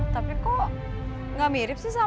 tapi kok gak mirip sih sama